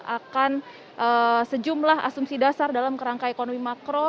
akan sejumlah asumsi dasar dalam kerangka ekonomi makro